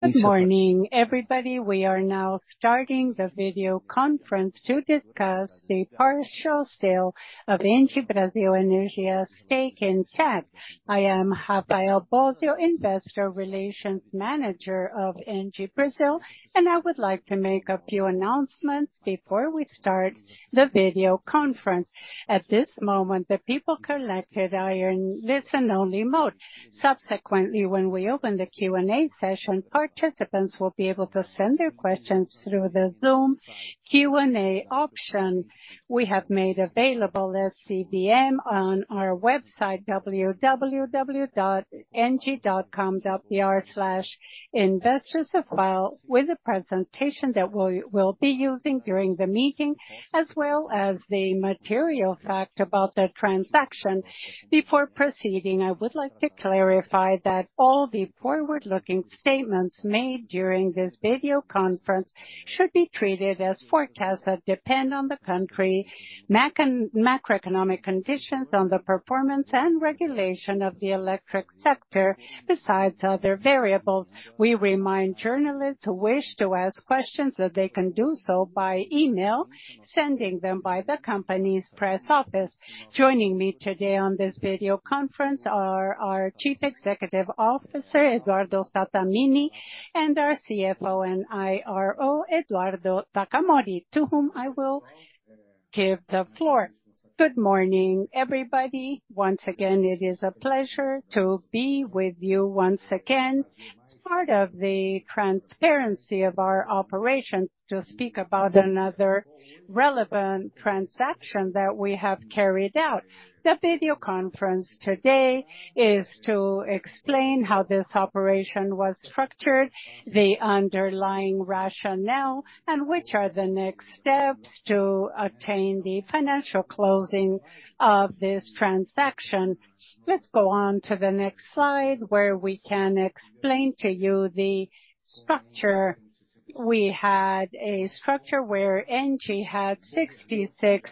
Good morning, everybody. We are now starting the video conference to discuss the partial sale of ENGIE Brasil Energia stake in TAG. I am Rafael Bósio, investor relations manager of ENGIE Brasil, and I would like to make a few announcements before we start the video conference. At this moment, the people connected are in listen only mode. Subsequently, when we open the Q and A session, participants will be able to send their questions through the Zoom Q and A option. We have made available at CVM on our website, www.engie.com.br/investors, a file with a presentation that we, we'll be using during the meeting, as well as the material fact about the transaction. Before proceeding, I would like to clarify that all the forward-looking statements made during this video conference should be treated as forecasts that depend on the country, macroeconomic conditions, on the performance and regulation of the electric sector, besides other variables. We remind journalists who wish to ask questions that they can do so by email, sending them by the company's press office. Joining me today on this video conference are our Chief Executive Officer, Eduardo Sattamini, and our CFO and IRO, Eduardo Takamori, to whom I will give the floor. Good morning, everybody. Once again, it is a pleasure to be with you once again, as part of the transparency of our operation, to speak about another relevant transaction that we have carried out. The video conference today is to explain how this operation was structured, the underlying rationale, and which are the next steps to attain the financial closing of this transaction. Let's go on to the next slide, where we can explain to you the structure. We had a structure where ENGIE had 66%,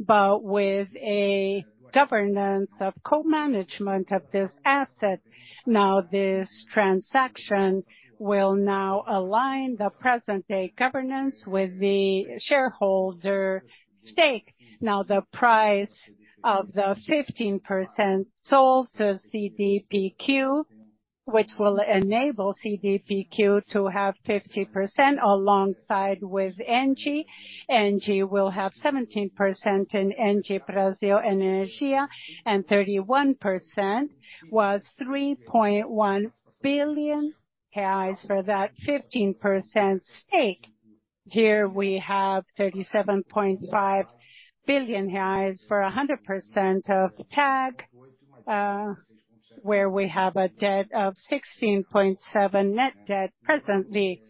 but with a governance of co-management of this asset. Now, this transaction will now align the present day governance with the shareholder stake. Now, the price of the 15% sold to CDPQ, which will enable CDPQ to have 50% alongside with ENGIE. ENGIE will have 17% in ENGIE Brasil Energia, and 31% was 3.1 billion for that 15% stake. Here we have 37.5 billion reais for 100% of TAG, where we have a debt of 16.7 net debt presently.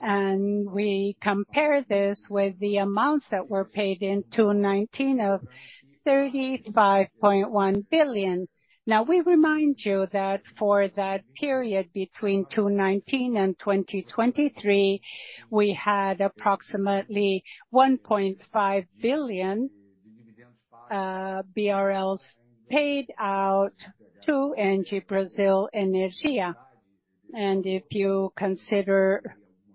We compare this with the amounts that were paid in 2019 of 35.1 billion. Now, we remind you that for that period, between 2019 and 2023, we had approximately BRL 1.5 billion BRLs paid out to ENGIE Brasil Energia. And if you consider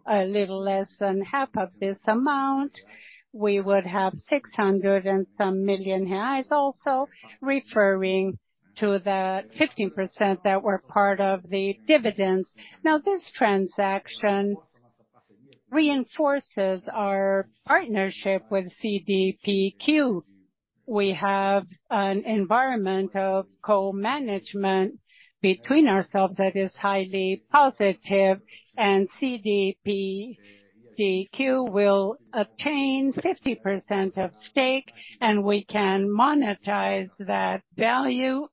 a little less than half of this amount, we would have 600-something million reais, also referring to the 15% that were part of the dividends. Now, this transaction reinforces our partnership with CDPQ. We have an environment of co-management between ourselves that is highly positive, and CDPQ will obtain 50% of stake, and we can monetize that value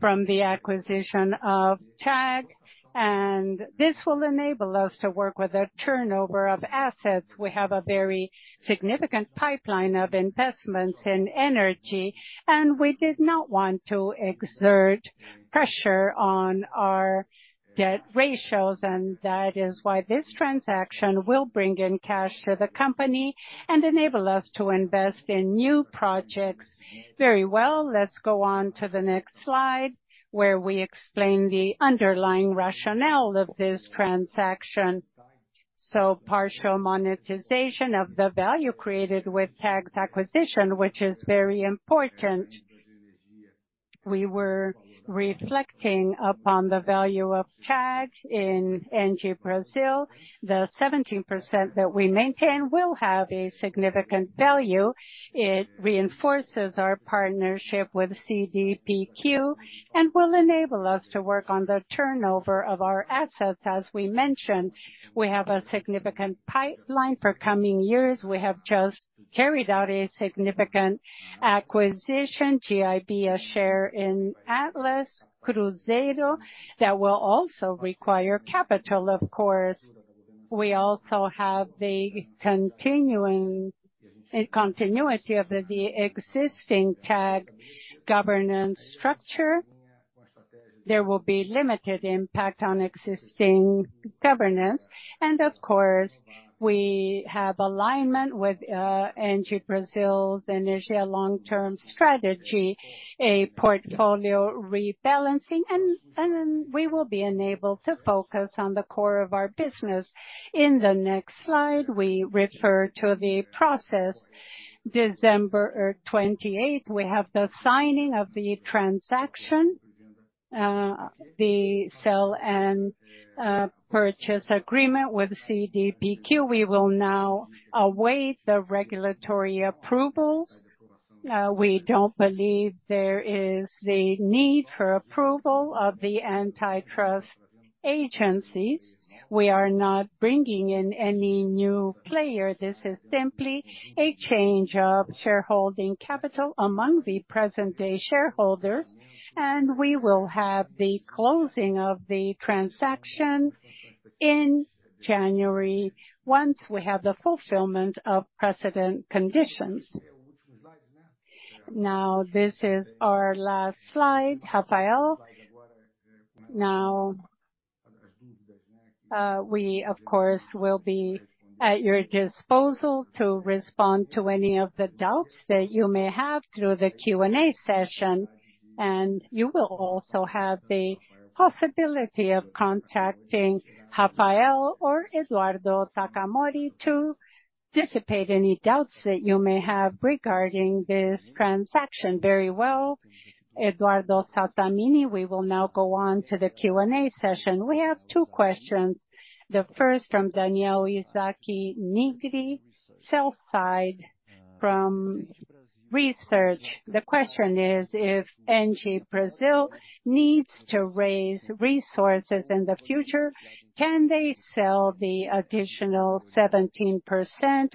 from the acquisition of TAG, and this will enable us to work with a turnover of assets. We have a very significant pipeline of investments in energy, and we did not want to exert pressure on our debt ratios. That is why this transaction will bring in cash to the company and enable us to invest in new projects. Very well. Let's go on to the next slide, where we explain the underlying rationale of this transaction. Partial monetization of the value created with TAG's acquisition, which is very important. We were reflecting upon the value of TAG in ENGIE Brasil. The 17% that we maintain will have a significant value. It reinforces our partnership with CDPQ and will enable us to work on the turnover of our assets. As we mentioned, we have a significant pipeline for coming years. We have just carried out a significant acquisition, GIP, a share in Atlas, Juazeiro, that will also require capital, of course. We also have the continuing continuity of the existing TAG governance structure. There will be limited impact on existing governance. And of course, we have alignment with ENGIE Brasil's initial long-term strategy, a portfolio rebalancing, and then we will be enabled to focus on the core of our business. In the next slide, we refer to the process. December 28, we have the signing of the transaction, the sell and purchase agreement with CDPQ. We will now await the regulatory approvals. We don't believe there is the need for approval of the antitrust agencies. We are not bringing in any new player. This is simply a change of shareholding capital among the present-day shareholders, and we will have the closing of the transaction in January, once we have the fulfillment of precedent conditions. Now, this is our last slide, Rafael. Now, we of course will be at your disposal to respond to any of the doubts that you may have through the Q and A session, and you will also have the possibility of contacting Rafael or Eduardo Takamori, to dissipate any doubts that you may have regarding this transaction. Very well, Eduardo Sattamini, we will now go on to the Q and A session. We have two questions, the first from Daniel Isaac Nigri, sell-side from research. The question is: If ENGIE Brasil needs to raise resources in the future, can they sell the additional 17%,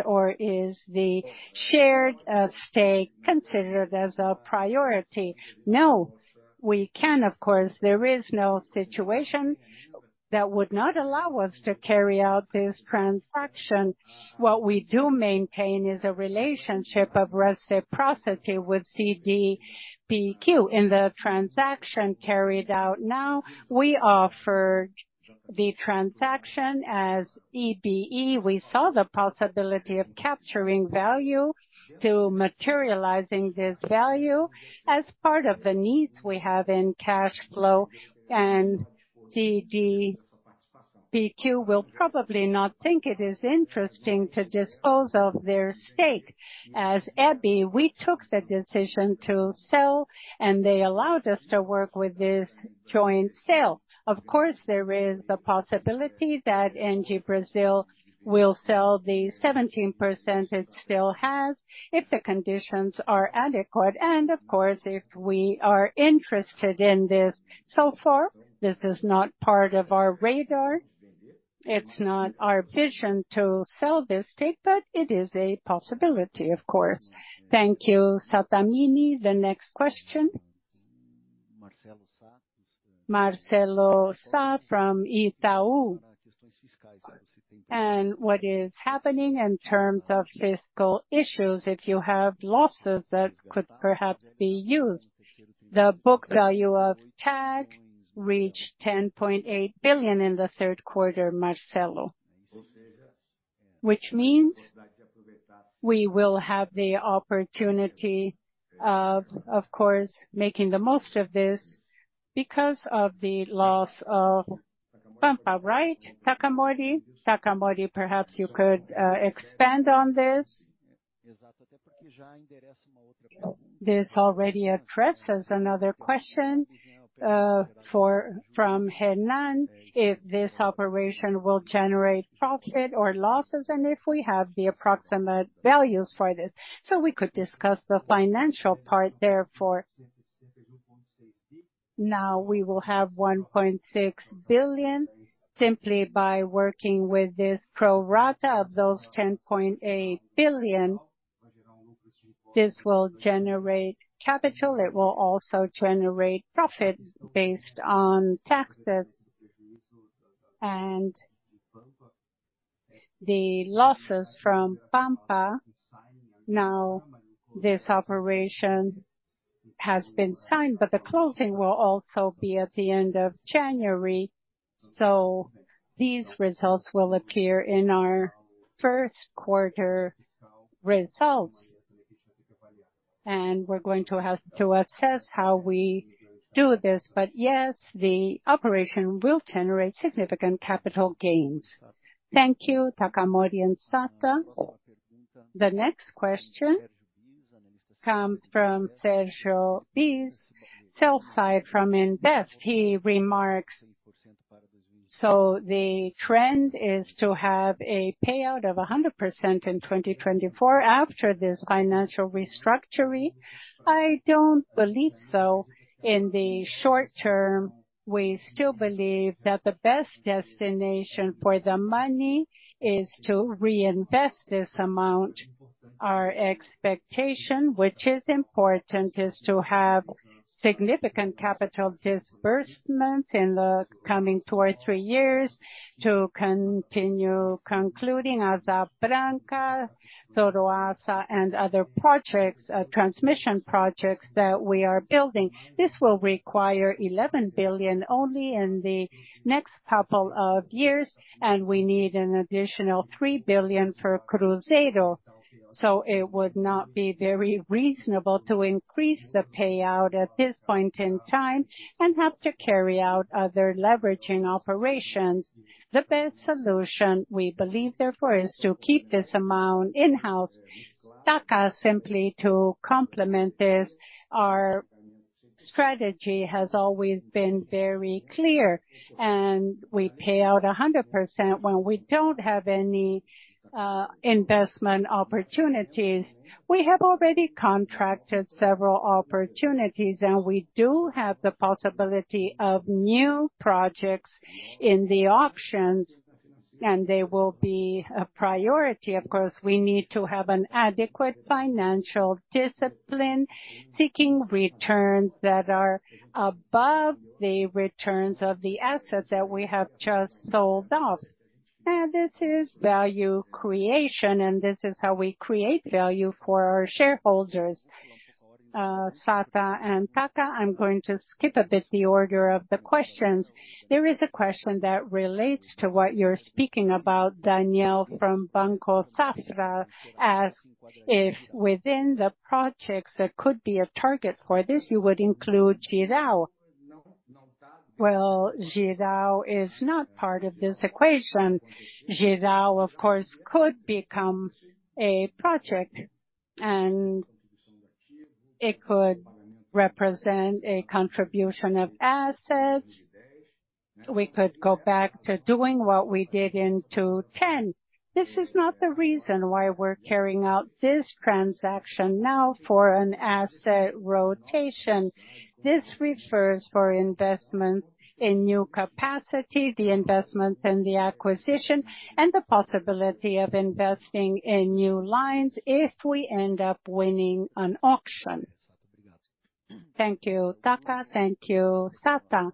or is the shared stake considered as a priority? No, we can of course. There is no situation that would not allow us to carry out this transaction. What we do maintain is a relationship of reciprocity with CDPQ. In the transaction carried out now, we offered the transaction as EBE. We saw the possibility of capturing value to materializing this value as part of the needs we have in cash flow, and CDPQ will probably not think it is interesting to dispose of their stake. As EBE, we took the decision to sell, and they allowed us to work with this joint sale. Of course, there is the possibility that ENGIE Brasil will sell the 17% it still has, if the conditions are adequate, and of course, if we are interested in this. So far, this is not part of our radar. It's not our vision to sell this stake, but it is a possibility, of course. Thank you, Sattamini. The next question. Marcelo Sá from Itaú. And what is happening in terms of fiscal issues, if you have losses that could perhaps be used? The book value of TAG reached 10.8 billion in the third quarter, Marcelo. Which means we will have the opportunity of course, making the most of this because of the loss of Pampa, right, Takamori? Takamori, perhaps you could expand on this. This already addresses another question from Hernan, if this operation will generate profit or losses, and if we have the approximate values for this. So we could discuss the financial part, therefore. Now we will have 1.6 billion, simply by working with this pro rata of those 10.8 billion. This will generate capital. It will also generate profit based on taxes and the losses from Pampa. Now, this operation has been signed, but the closing will also be at the end of January, so these results will appear in our first quarter results. We're going to have to assess how we do this. But yes, the operation will generate significant capital gains. Thank you, Takamori and Sattamini. The next question come from Sérgio Bizzotto, sell-side from Invest. He remarks: So the trend is to have a payout of 100% in 2024 after this financial restructuring? I don't believe so. In the short term, we still believe that the best destination for the money is to reinvest this amount. Our expectation, which is important, is to have significant capital disbursements in the coming two or three years to continue concluding Asa Branca, Atlas, and other projects, transmission projects that we are building. This will require 11 billion only in the next couple of years, and we need an additional 3 billion for Cruzeiro. So it would not be very reasonable to increase the payout at this point in time and have to carry out other leveraging operations. The best solution, we believe, therefore, is to keep this amount in-house. Takamori, simply to complement this, our strategy has always been very clear, and we pay out 100% when we don't have any investment opportunities. We have already contracted several opportunities, and we do have the possibility of new projects in the auctions, and they will be a priority. Of course, we need to have an adequate financial discipline, seeking returns that are above the returns of the assets that we have just sold off. And this is value creation, and this is how we create value for our shareholders. Sá and Takamori, I'm going to skip a bit the order of the questions. There is a question that relates to what you're speaking about. Daniel from Banco Safra asks if within the projects that could be a target for this you would include Jirau. Well, Jirau is not part of this equation. Jirau, of course, could become a project, and it could represent a contribution of assets. We could go back to doing what we did in 2010. This is not the reason why we're carrying out this transaction now for an asset rotation. This refers for investment in new capacity, the investment in the acquisition, and the possibility of investing in new lines if we end up winning an auction. Thank you, Taka. Thank you, Sata.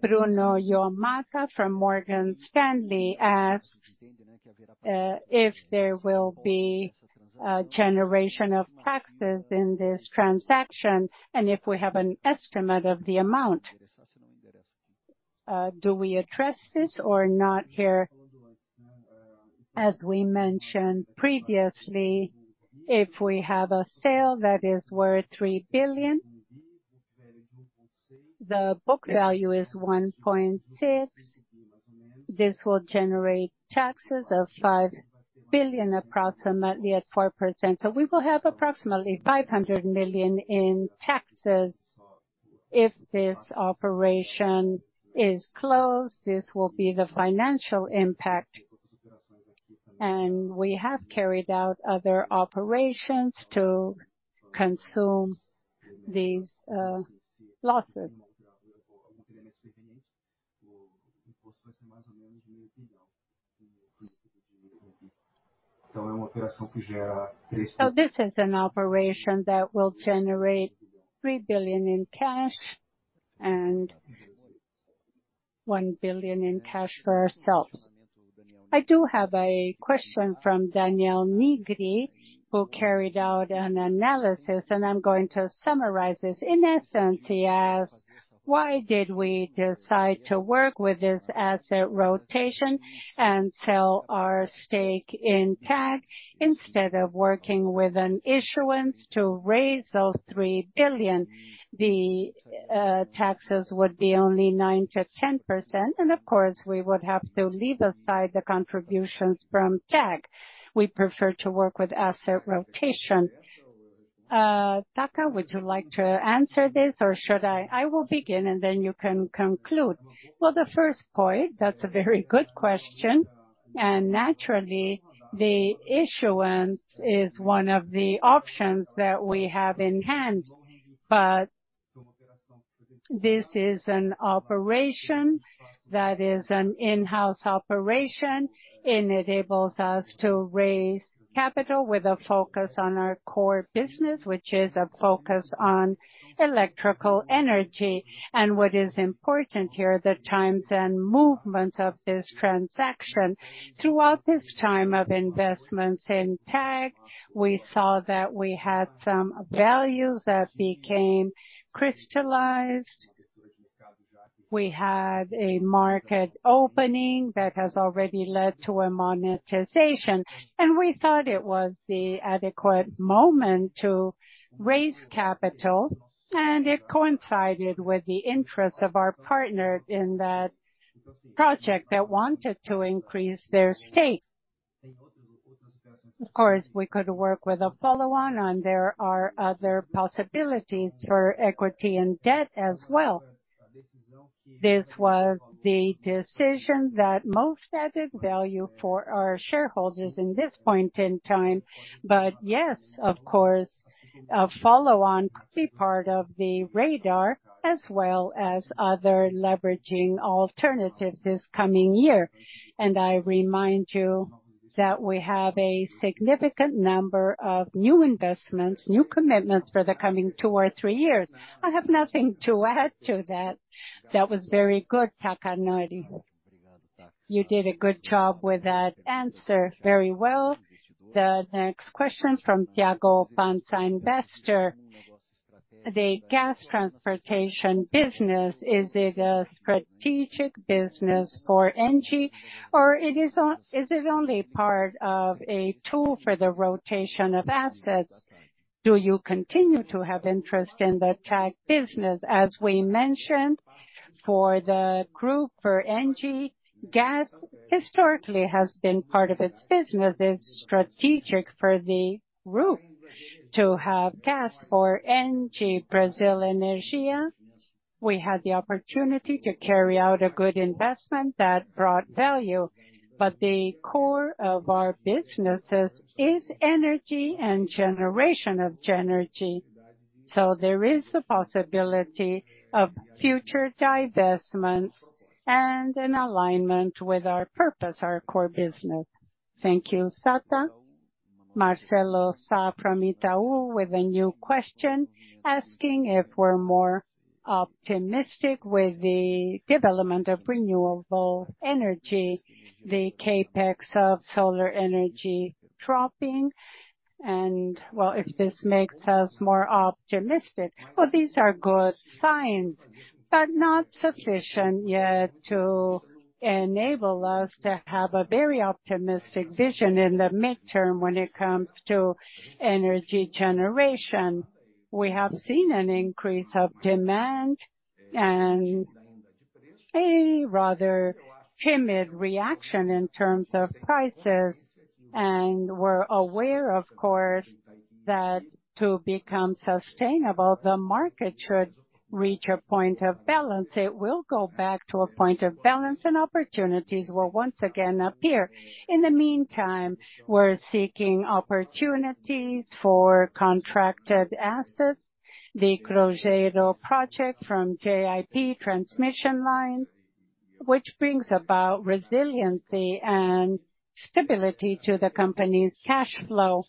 Bruno Montanari from Morgan Stanley asks if there will be a generation of taxes in this transaction, and if we have an estimate of the amount. Do we address this or not here? As we mentioned previously, if we have a sale that is worth 3 billion, the book value is 1.6 billion. This will generate taxes of 5 billion, approximately at 4%. So we will have approximately 500 million in taxes. If this operation is closed, this will be the financial impact, and we have carried out other operations to consume these losses. So this is an operation that will generate 3 billion in cash and 1 billion in cash for ourselves. I do have a question from Daniel Nigri, who carried out an analysis, and I'm going to summarize this. In essence, he asks, why did we decide to work with this asset rotation and sell our stake in TAG, instead of working with an issuance to raise those 3 billion? The taxes would be only 9%-10%, and of course, we would have to leave aside the contributions from TAG. We prefer to work with asset rotation. Takamori, would you like to answer this or should I? I will begin, and then you can conclude. Well, the first point, that's a very good question, and naturally, the issuance is one of the options that we have in hand. But this is an operation that is an in-house operation, and it enables us to raise capital with a focus on our core business, which is a focus on electrical energy. And what is important here, the times and movements of this transaction. Throughout this time of investments in TAG, we saw that we had some values that became crystallized. We had a market opening that has already led to a monetization, and we thought it was the adequate moment to raise capital, and it coincided with the interest of our partner in that project that wanted to increase their stake. Of course, we could work with a follow-on, and there are other possibilities for equity and debt as well. This was the decision that most added value for our shareholders in this point in time. But yes, of course, a follow-on could be part of the radar, as well as other leveraging alternatives this coming year. And I remind you that we have a significant number of new investments, new commitments for the coming two or three years. I have nothing to add to that. That was very good, Takamori. You did a good job with that answer. Very well. The next question from Tiago Panzinvestor. The gas transportation business, is it a strategic business for ENGIE, or is it only part of a tool for the rotation of assets? Do you continue to have interest in the TAG business? As we mentioned, for the group, for ENGIE, gas historically has been part of its business. It's strategic for the group to have gas for Engie Brasil Energia. We had the opportunity to carry out a good investment that brought value, but the core of our businesses is energy and generation of energy. So there is the possibility of future divestments and an alignment with our purpose, our core business. Thank you, Sata. Marcelo Sá from Itaú with a new question, asking if we're more optimistic with the development of renewable energy, the CapEx of solar energy dropping, and, well, if this makes us more optimistic. Well, these are good signs, but not sufficient yet to enable us to have a very optimistic vision in the midterm when it comes to energy generation. We have seen an increase of demand and a rather timid reaction in terms of prices, and we're aware, of course, that to become sustainable, the market should reach a point of balance. It will go back to a point of balance, and opportunities will once again appear. In the meantime, we're seeking opportunities for contracted assets. The Juazeiro project from GIP Transmission Line, which brings about resiliency and stability to the company's cash flow,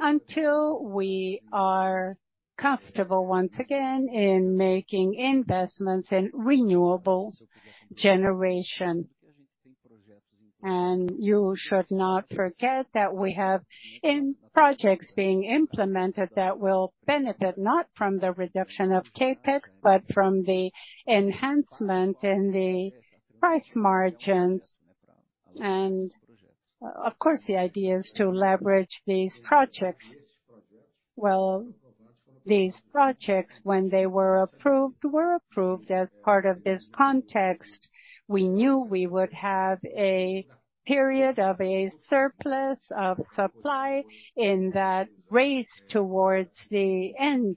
until we are comfortable once again in making investments in renewable generation. And you should not forget that we have in projects being implemented that will benefit not from the reduction of CapEx, but from the enhancement in the price margins. Of course, the idea is to leverage these projects. Well, these projects, when they were approved, were approved as part of this context. We knew we would have a period of a surplus of supply in that race towards the end,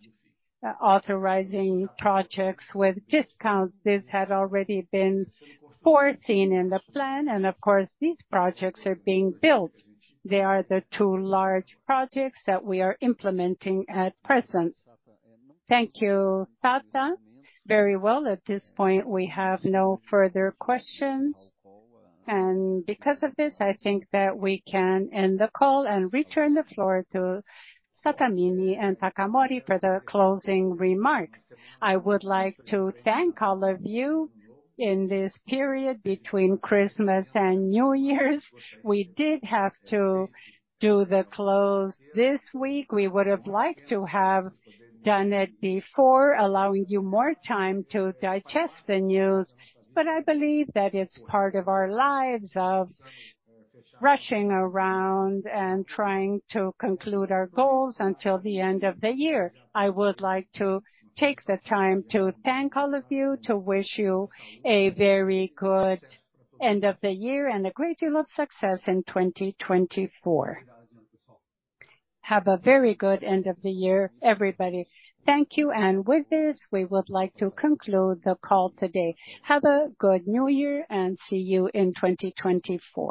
authorizing projects with discounts. This had already been foreseen in the plan, and of course, these projects are being built. They are the two large projects that we are implementing at present. Thank you, Sata. Very well, at this point, we have no further questions, and because of this, I think that we can end the call and return the floor to Sattamini and Takamori for the closing remarks. I would like to thank all of you in this period between Christmas and New Year's. We did have to do the close this week. We would have liked to have done it before, allowing you more time to digest the news, but I believe that it's part of our lives of rushing around and trying to conclude our goals until the end of the year. I would like to take the time to thank all of you, to wish you a very good end of the year and a great deal of success in 2024. Have a very good end of the year, everybody. Thank you. With this, we would like to conclude the call today. Have a good New Year, and see you in 2024.